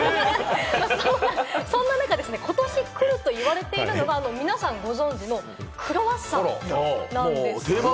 そんな中、ことし来ると言われているのが皆さんご存じのクロワッサンなんです。